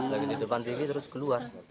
lagi di depan tinggi terus keluar